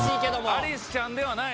アリスちゃんではない？